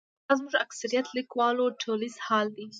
دا زموږ د اکثریت لیکوالو ټولیز حال دی.